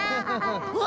うわ！